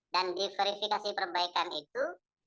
dan diverifikasi perbaikan itu